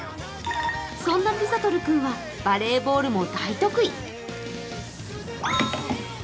そんなピザトル君はバレーボールも大得意。